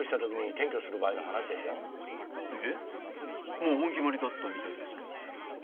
もう本決まりだったみたいですけど。